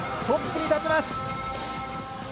トップに立ちます。